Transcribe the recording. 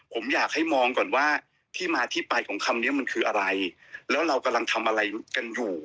ผมอยากให้มองก่อนว่าที่มาที่ไปของคำนี้มันคืออะไรแล้วเรากำลังทำอะไรกันอยู่